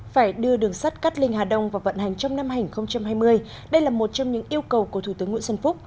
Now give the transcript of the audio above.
phải đưa đường sắt cắt lên hà đông và vận hành trong năm hành hai mươi đây là một trong những yêu cầu của thủ tướng nguyễn xuân phúc